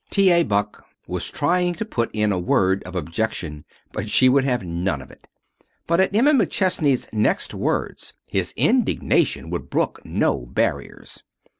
T. A. Buck was trying to put in a word of objection, but she would have none of it. But at Emma McChesney's next words his indignation would brook no barriers.